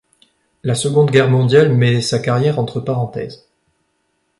La Seconde Guerre mondiale met sa carrière entre parenthèses.